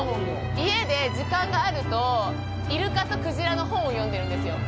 家で時間があると、イルカと鯨の本を読んでるんですよ。